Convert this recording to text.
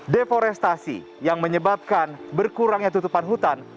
deforestasi yang menyebabkan berkurangnya tutupan hutan